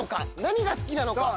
何が好きなのか？